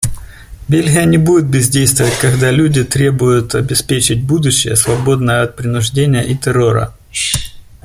Бельгия не будет бездействовать, когда люди требуют обеспечить будущее, свободное от принуждения и террора.